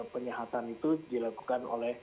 penyihatan itu dilakukan oleh